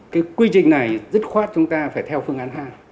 cái quy trình này dứt khoát chúng ta phải theo phương án hai